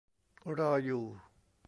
รออยู่